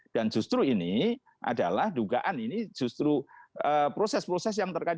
dan justru ini adalah dugaan ini justru proses proses yang berlaku